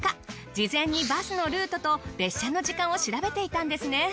事前にバスのルートと列車の時間を調べていたんですね。